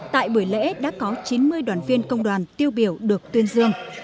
tại buổi lễ đã có chín mươi đoàn viên công đoàn tiêu biểu được tuyên dương